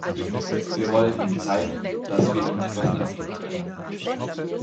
Wir wollen ihnen zeigen, dass wir ihnen etwas anbieten können.